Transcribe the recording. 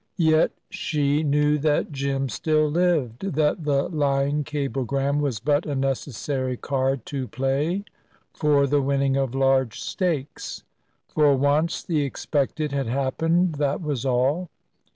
Yet she knew that Jim still lived; that the lying cablegram was but a necessary card to play for the winning of large stakes. For once, the expected had happened that was all.